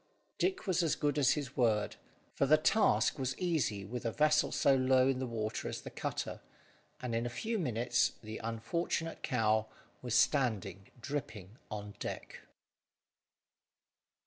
Dick was as good as his word, for the task was easy with a vessel so low in the water as the cutter; and in a few minutes the unfortunate cow was standing dripping on deck.